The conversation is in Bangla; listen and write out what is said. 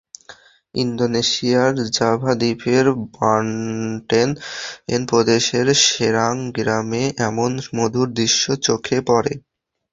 ইন্দোনেশিয়ার জাভা দ্বীপের বানটেন প্রদেশের সেরাং গ্রামে এমন মধুর দৃশ্য চোখে পড়ে।